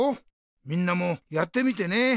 みんなもやってみてね。